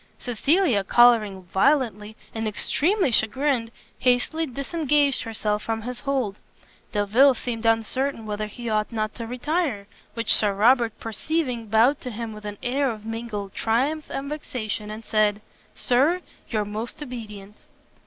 Cecilia, colouring violently, and extremely chagrined, hastily disengaged herself from his hold. Delvile seemed uncertain whether he ought not to retire, which Sir Robert perceiving, bowed to him with an air of mingled triumph and vexation, and said, "Sir your most obedient!"